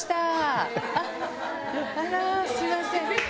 あらすみません。